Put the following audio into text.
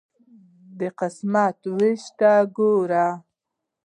د قسمت ویش ته ګوره.